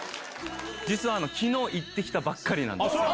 実はきのう行ってきたばっかりなんですよ。